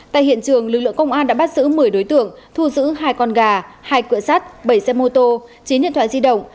tại hiện trường lực lượng công an đã bắt giữ một mươi đối tượng thu giữ hai con gà hai cửa sắt bảy xe mô tô chín điện thoại di động